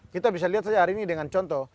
kita bisa lihat saja hari ini dengan contoh